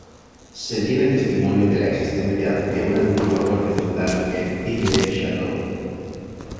Se tiene testimonio de la existencia de una antigua corte feudal en Thy-le-Château.